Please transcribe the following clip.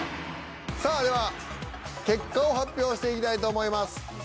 さあでは結果を発表していきたいと思います。